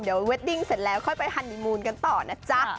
เดี๋ยวเวดดิ้งเสร็จแล้วค่อยไปฮันนิมูลกันต่อนะจ๊ะ